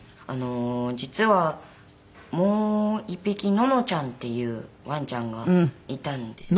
実はもう一匹ののちゃんっていうワンちゃんがいたんですよ。